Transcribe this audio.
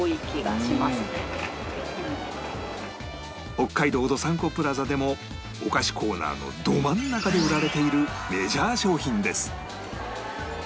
北海道どさんこプラザでもお菓子コーナーのど真ん中で売られているメジャー商品です